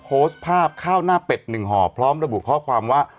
โพสต์ภาพข้าวหน้าเป็ดหนึ่งห่อพร้อมระบุข้อความว่า